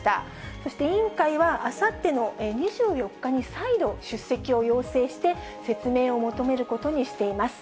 そして、委員会はあさっての２４日に、再度、出席を要請して、説明を求めることにしています。